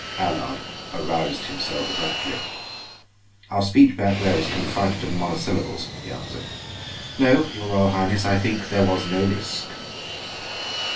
Allard aroused himself abruptly. "Our speech back there was confined to monosyllables," he answered. "No, your Royal Highness, I think there was no risk."